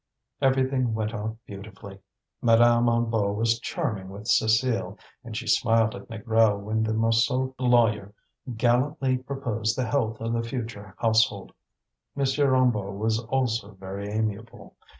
Everything went off beautifully, Madame Hennebeau was charming with Cécile, and she smiled at Négrel when the Montsou lawyer gallantly proposed the health of the future household. M. Hennebeau was also very amiable.